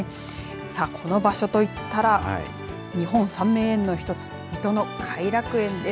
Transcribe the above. さあ、この場所といったら日本三名園の一つ水戸の偕楽園です。